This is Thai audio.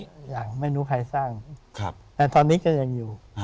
อย่างไม่รู้ใครสร้างแต่ตอนนี้ก็ยังอยู่